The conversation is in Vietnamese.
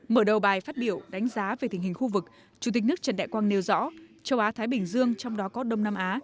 mở đầu bài phát biểu đánh giá về tình hình khu vực chủ tịch nước trần đại quang nêu rõ châu á thái bình dương trong đó có đông nam á